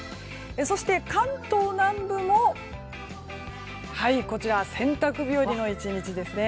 そして、関東南部も洗濯日和の１日ですね。